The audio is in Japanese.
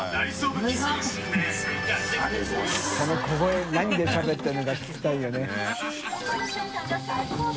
海両何でしゃべってるのか聞きたいよね。